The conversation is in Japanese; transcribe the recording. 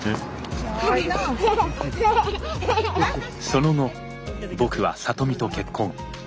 その後僕は里美と結婚。